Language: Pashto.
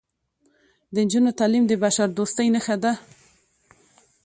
د نجونو تعلیم د بشردوستۍ نښه ده.